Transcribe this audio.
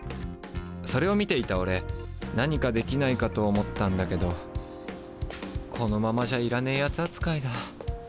それを見ていたオレ何かできないかと思ったんだけどこのままじゃいらねえ奴扱いだ。